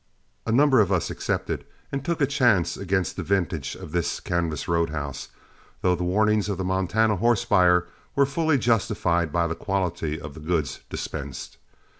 A number of us accepted and took a chance against the vintage of this canvas roadhouse, though the warnings of the Montana horse buyer were fully justified by the quality of the goods dispensed.